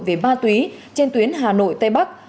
về ma túy trên tuyến hà nội tây bắc